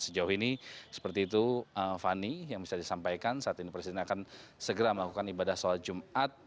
sejauh ini seperti itu fani yang bisa disampaikan saat ini presiden akan segera melakukan ibadah sholat jumat